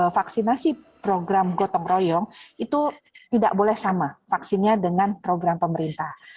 vaksinasi program gotong royong itu tidak boleh sama vaksinnya dengan program pemerintah